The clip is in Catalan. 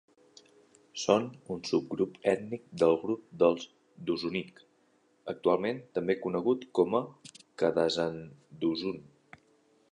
Són un subgrup ètnic del grup dels Dusunic, actualment també conegut com a Kadazandusun.